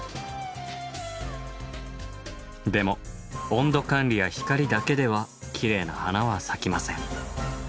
でも温度管理や光だけではきれいな花は咲きません。